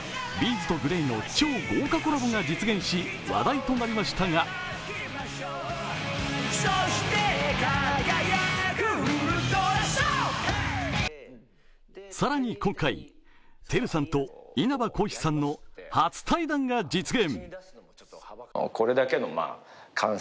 ’ｚとＧＬＡＹの超豪華コラボが実現し、話題となりましたが更に今回、ＴＥＲＵさんと稲葉浩志さんの初対談が実現。